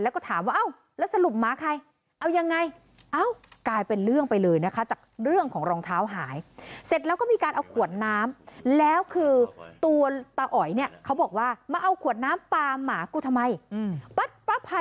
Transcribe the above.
แล้วก็ถามว่าเอ้าแล้วสรุปหมาใคร